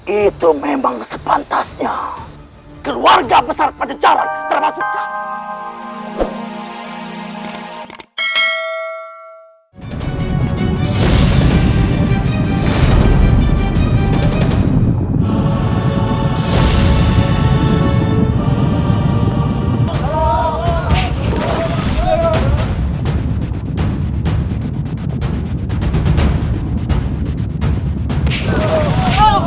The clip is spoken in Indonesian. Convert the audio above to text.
itu memang sepantasnya keluarga besar pada jalan terbang sukses